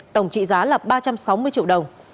tổng trị giá là ba trăm sáu mươi triệu đồng